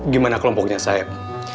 gimana kelompoknya sayap